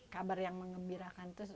kabar yang mengembirakan